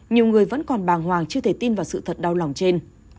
nhiều người vẫn còn bàng hoàng chưa thể tin vào sự thật đau lòng trên